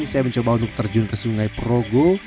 saya mencoba untuk terjun ke sungai perogo